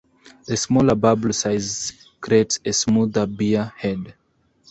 The smaller bubble size creates a smoother beer head.